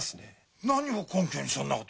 何を根拠にそんなことを。